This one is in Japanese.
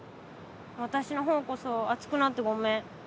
私の方こそ熱くなってごめん。